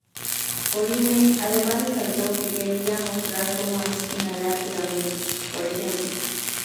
Korine además resaltó que "quería mostrar como es inhalar pegamento, por ejemplo.